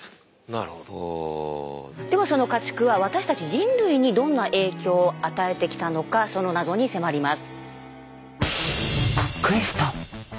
ではその家畜は私たち人類にどんな影響を与えてきたのかその謎に迫ります。